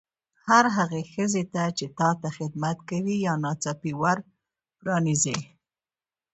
هرې هغې ښځې ته چې تا ته خدمت کوي یا ناڅاپي ور پرانیزي.